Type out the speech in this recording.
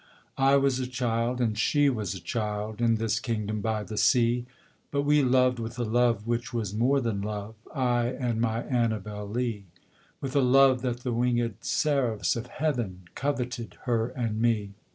I was a child and she was a child, In this kingdom by the sea; But we loved with a love which was more than love I and my Annabel Lee; With a love that the wingèd seraphs of heaven Coveted her and me.